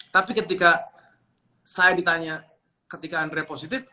tapi ketika saya ditanya ketika andre positif